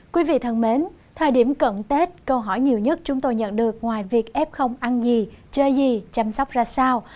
quý vị thân mến thời điểm cận tết câu hỏi nhiều nhất chúng tôi nhận được ngoài việc f ăn gì chơi gì chăm sóc ra sao